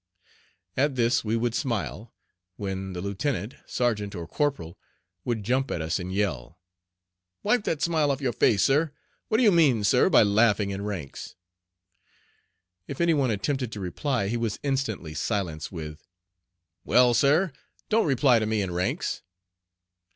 At this we would smile, when the lieutenant, sergeant, or corporal would jump at us and yell: "Wipe that smile off your face, sir! What do you mean, sir, by laughing in ranks?" If any one attempted to reply he was instantly silenced with "Well, sir, don't reply to me in ranks."